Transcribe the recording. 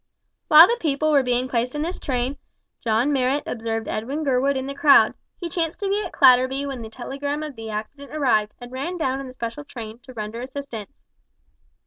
While the people were being placed in this train, John Marrot observed Edwin Gurwood in the crowd. He chanced to be at Clatterby when the telegram of the accident arrived, and ran down in the special train to render assistance.